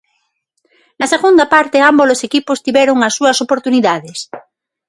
Na segunda parte ambos os equipos tiveron as súas oportunidades.